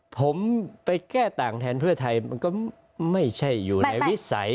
ผมไปแก้ต่างแทนเพื่อไทยมันก็ไม่ใช่อยู่ในวิสัย